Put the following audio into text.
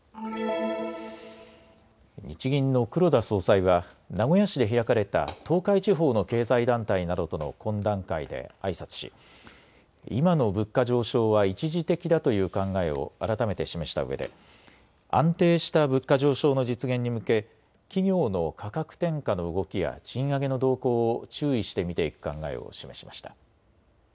日銀の黒田総裁は名古屋市で開かれた東海地方の経済団体などとの懇談会であいさつし今の物価上昇は一時的だという考えを改めて示したうえで安定した物価上昇の実現に向け企業の価格転嫁の動きや賃上げの動向を注意して見ていく考えを示しました。